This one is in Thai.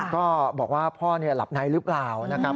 ก็บอกว่าพ่อหลับในหรือเปล่านะครับ